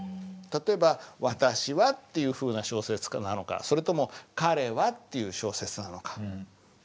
例えば「私は」っていうふうな小説なのかそれとも「彼は」っていう小説なのか。